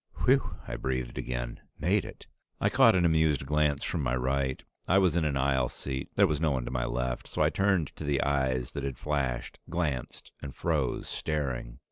"Whew!" I breathed again. "Made it!" I caught an amused glance from my right. I was in an aisle seat; there was no one to my left, so I turned to the eyes that had flashed, glanced, and froze staring.